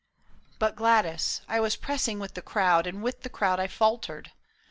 " But, Gladys, I was pressing with the crowd And with the crowd I faltered.